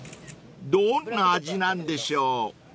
［どんな味なんでしょう］